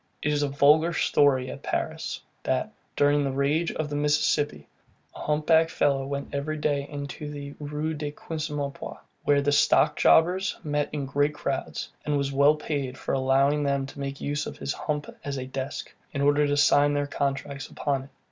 It is a vulgar story at Paris, that, during the rage of the Mississippi, a hump backed fellow went every day into the Rue de Quincempoix, where the stock jobbers met in great crowds, and was well paid for allowing them to make use of his hump as a desk, in order to sign their contracts upon it.